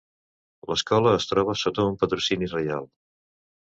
L'escola es troba sota un patrocini reial.